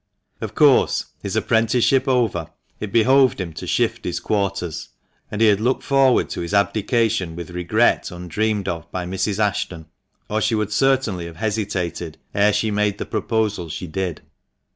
Of course, his apprenticeship over, it behoved him to shift his quarters ; and he had looked forward to his abdication with regret undreamed of by Mrs. Ashton, or she would certainly have hesitated ere she made the proposal she did.